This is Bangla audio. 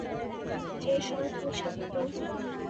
বাবার বিচারের সময় তুমি সাক্ষ্য দাওনি।